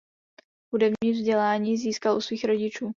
Hudební vzdělání získal u svých rodičů.